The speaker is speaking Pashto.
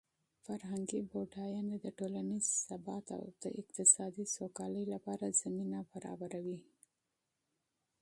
فرهنګي بډاینه د ټولنیز ثبات او د اقتصادي سوکالۍ لپاره زمینه برابروي.